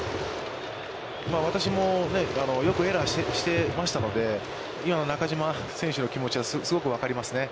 私も、よくエラーしてましたので、今の中島選手の気持ち、すごく分かりますね。